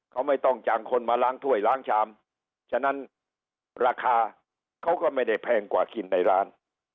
เขาไม่ต้องจ้างคนมาล้างถ้วยล้างชามฉะนั้นราคาเขาก็ไม่ได้แพงกว่ากินในร้าน